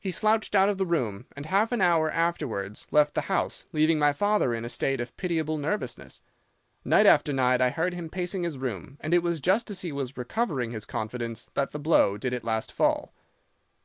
He slouched out of the room, and half an hour afterwards left the house, leaving my father in a state of pitiable nervousness. Night after night I heard him pacing his room, and it was just as he was recovering his confidence that the blow did at last fall.